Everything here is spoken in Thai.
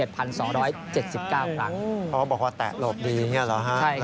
เขาบอกว่าแตะหลบดีอย่างนี้เหรอฮะ